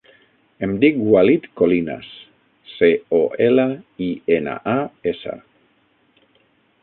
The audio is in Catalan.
Em dic Walid Colinas: ce, o, ela, i, ena, a, essa.